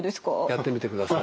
やってみてください。